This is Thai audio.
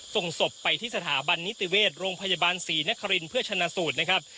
ส่งศพไปที่สถาบันนิติเวชโรงพยาบาลศรีนครินทร์เพื่อชนะสูตรนะครับ